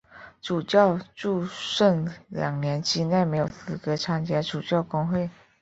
主教祝圣两年之内没有资格参加主教公会。